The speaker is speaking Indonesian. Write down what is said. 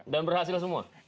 dan berhasil semua